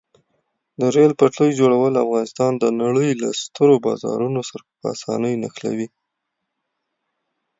د ریل پټلۍ جوړول افغانستان د نړۍ له سترو بازارونو سره په اسانۍ نښلوي.